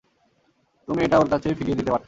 তুমি এটা ওর কাছে ফিরিয়ে দিতে পারতে।